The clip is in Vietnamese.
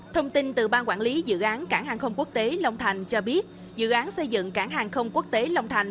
thông tin từ ban quản lý dự án cảng hàng không quốc tế long thành cho biết dự án xây dựng cảng hàng không quốc tế long thành